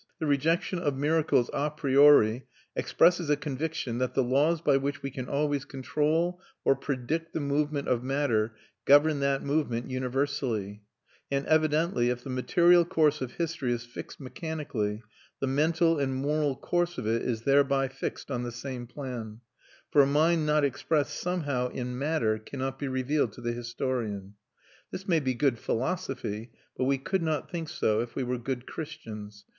The rejection of miracles a priori expresses a conviction that the laws by which we can always control or predict the movement of matter govern that movement universally; and evidently, if the material course of history is fixed mechanically, the mental and moral course of it is thereby fixed on the same plan; for a mind not expressed somehow in matter cannot be revealed to the historian. This may be good philosophy, but we could not think so if we were good Christians.